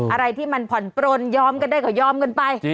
อะไรที่มันผ่อนปลนยอมกันได้ก็ยอมกันไป